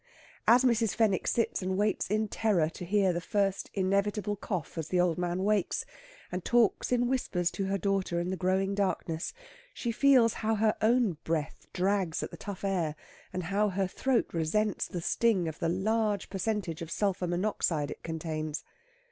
As Mrs. Fenwick sits and waits in terror to hear the first inevitable cough as the old man wakes, and talks in whispers to her daughter in the growing darkness, she feels how her own breath drags at the tough air, and how her throat resents the sting of the large percentage of sulphur monoxide it contains.